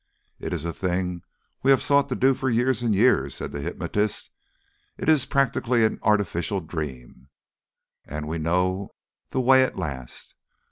"It is a thing we have sought to do for years and years," said the hypnotist. "It is practically an artificial dream. And we know the way at last.